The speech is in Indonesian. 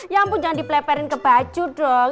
ya ampun jangan dipeleperin ke baju dong